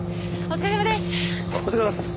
お疲れさまです！